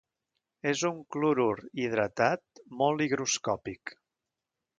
És un clorur hidratat molt higroscòpic.